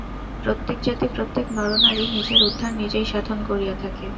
প্রত্যেক জাতি, প্রত্যেক নরনারী নিজের উদ্ধার নিজেই সাধন করিয়া থাকে।